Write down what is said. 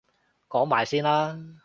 講埋先啦！